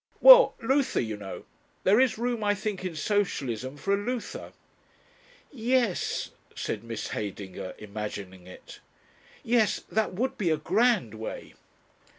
"Well Luther, you know. There is room, I think, in Socialism, for a Luther." "Yes," said Miss Heydinger, imagining it. "Yes that would be a grand way."